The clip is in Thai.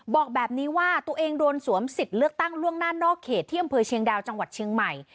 บอกแบบนี้ว่าตัวเองโดนสวมสิทธิ์เลือกตั้งล่วงหน้านอกเขตที่อำเภอเชียงดาวจังหวัดเชียงใหม่